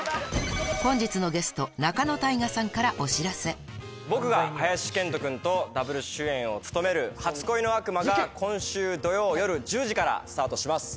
本日のゲスト僕が林遣都君とダブル主演を務める『初恋の悪魔』が今週土曜夜１０時からスタートします。